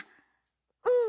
うん。